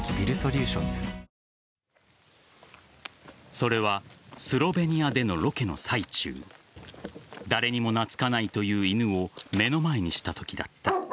それはスロベニアでのロケの最中誰にも懐かないという犬を目の前にしたときだった。